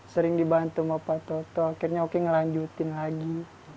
sering dibantu sama pak toto akhirnya oki ngelanjutin lagi